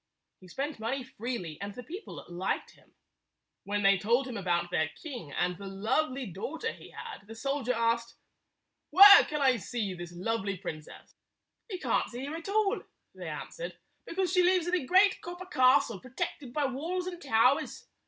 He spent money freely, and the people liked him. When they told him about their king and the lovely daugh ter he had, the soldier asked, "Where can I see this lovely princess?" "You can't see her at all," they answered, "because she lives in a great copper castle, pro tected by walls and towers.